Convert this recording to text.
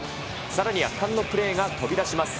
さらに圧巻のプレーが飛び出します。